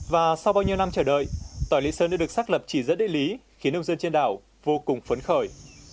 và sau bao nhiêu năm chờ đợi tỏi lý sơn đã được xác lập chỉ dẫn địa lý khiến nông dân trên đảo vô cùng phấn khởi